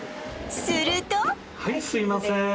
するとはいすいません